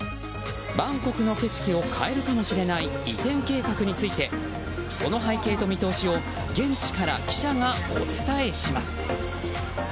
バンコクの景色を変えるかもしれない移転計画についてその背景と見通しを現地から記者がお伝えします。